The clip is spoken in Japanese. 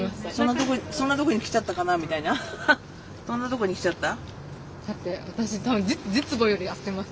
そんなとこに来ちゃった。